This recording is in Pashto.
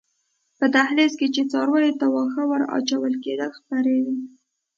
په دهلېز کې چې څارویو ته واښه ور اچول کېدل خپرې وې.